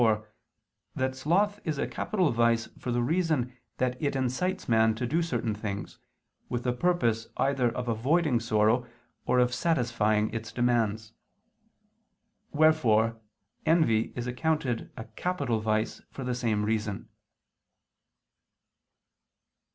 4) that sloth is a capital vice for the reason that it incites man to do certain things, with the purpose either of avoiding sorrow or of satisfying its demands. Wherefore envy is accounted a capital vice for the same reason.